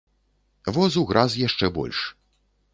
Воз уграз яшчэ больш.